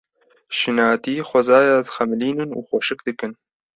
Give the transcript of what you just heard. Şînatî xwezayê dixemilînin û xweşik dikin.